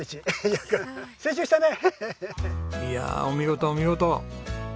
いやお見事お見事！